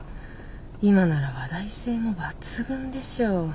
今なら話題性も抜群でしょ。